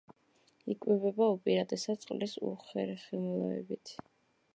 იკვებება უპირატესად წყლის უხერხემლოებით.